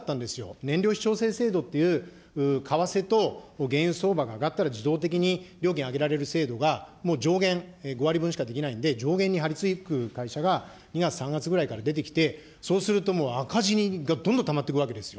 燃料費調整制度っていう、為替と原油相場が上がったら、自動的に料金上げられる制度が、もう上限５割分しかできないんで、上限にはりつく会社が２月、３月ぐらいから出てきて、そうするともう赤字がどんどんたまっていくわけですよ。